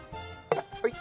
はい。